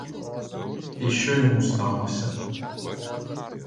І що йому сталося?